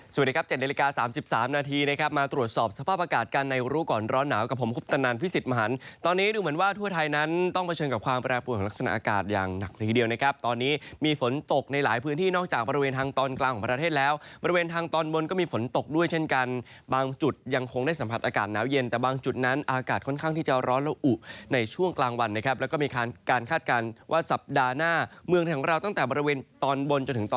สวัสดีครับ๗นาฬิกา๓๓นาทีมาตรวจสอบสภาพอากาศกันในภูเขาก่อนร้อนน้ำกับผมคุปตนันพิสิทธิ์มหันตอนนี้ดูเหมือนว่าทั่วไทยนั้นต้องเผชิญกับความแปรปุ่มลักษณะอากาศอย่างหนักกิโดยนะครับตอนนี้มีฝนตกในหลายพื้นที่นอกจากบริเวณทางตอนกลางของประเทศแล้วบริเวณทางตอนบนก็มี